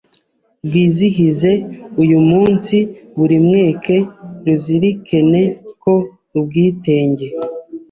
rwizihize uyu munsi buri mweke ruzirikene ko ubwitenge